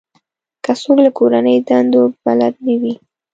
که څوک له کورنۍ دندو بلد نه وي.